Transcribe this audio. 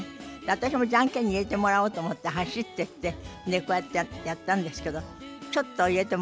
私もジャンケンに入れてもらおうと思って走ってってこうやってやったんですけどちょっと入れてもらえなくて。